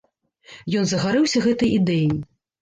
Ён загарэўся гэтай ідэяй.